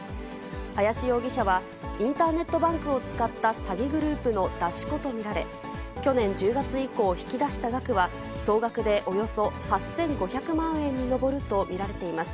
林容疑者は、インターネットバンクを使った詐欺グループの出し子と見られ、去年１０月以降引き出した額は、総額でおよそ８５００万円に上ると見られています。